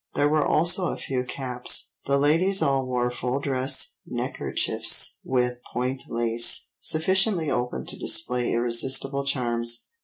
There were also a few caps. "The ladies all wore full dress neckerchiefs with point lace, sufficiently open to display irresistible charms."